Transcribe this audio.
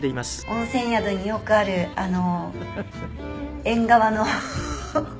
温泉宿によくある縁側。